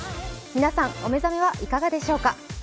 皆さん、お目覚めはいかがでしょうか。